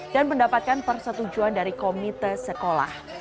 dan mendapatkan persetujuan dari komite sekolah